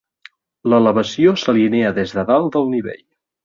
L'elevació s'alinea des de dalt del nivell.